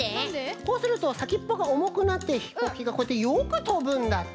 こうするとさきっぽがおもくなってひこうきがこうやってよくとぶんだって。